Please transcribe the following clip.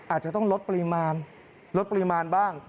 อาจจะต้องลดปริมาณลดปริมาณบ้าง